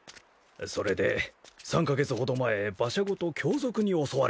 それで３カ月ほど前馬車ごと凶賊に襲われたんですよ。